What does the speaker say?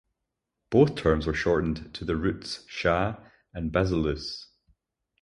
Both terms were often shortened to their roots "shah" and "basileus".